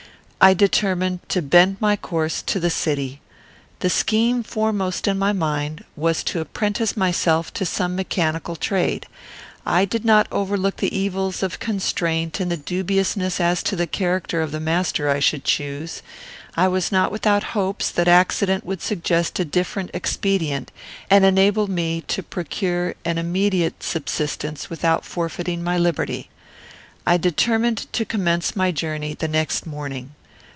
I determined to bend my course to the city. The scheme foremost in my mind was to apprentice myself to some mechanical trade. I did not overlook the evils of constraint and the dubiousness as to the character of the master I should choose. I was not without hopes that accident would suggest a different expedient, and enable me to procure an immediate subsistence without forfeiting my liberty. I determined to commence my journey the next morning.